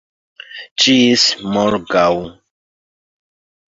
Ĝis morgaŭ.